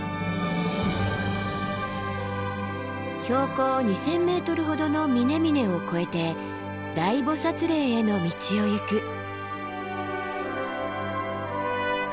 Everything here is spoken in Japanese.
標高２，０００ｍほどの峰々を越えて大菩嶺への道を行く。